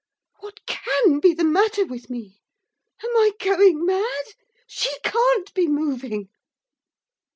'What can be the matter with me? Am I going mad? She can't be moving!